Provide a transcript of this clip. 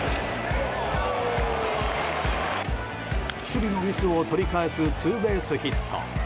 守備のミスを取り返すツーベースヒット。